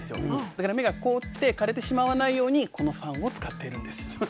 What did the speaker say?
だから芽が凍って枯れてしまわないようにこのファンを使っているんです。